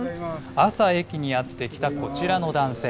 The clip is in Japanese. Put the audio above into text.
朝、駅にやって来たこちらの男性。